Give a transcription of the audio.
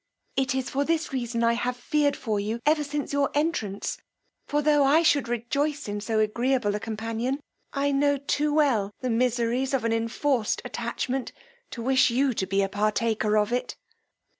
It is for this reason I have feared for you ever since your entrance; for tho' I should rejoice in so agreeable a companion, I know too well the miseries of an enforced attachment to wish you to be partaker of it.